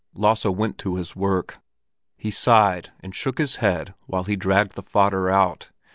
Lasse went to his work. He sighed and shook his head while he dragged the fodder out.